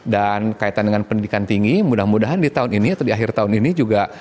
dan kaitan dengan pendidikan tinggi mudah mudahan di tahun ini atau di akhir tahun ini juga